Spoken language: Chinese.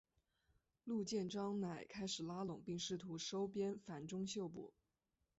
陆建章乃开始拉拢并试图收编樊钟秀部。